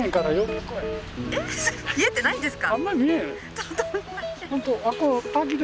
えっ見えてないんですか？